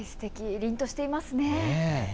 りんとしていますね。